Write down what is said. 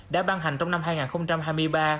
đã ban hành trong năm hai nghìn hai mươi ba